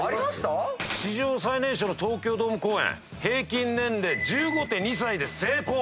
史上最年少東京ドーム公演平均年齢１５．２歳で成功！